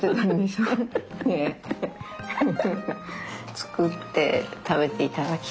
作って食べていただきたい。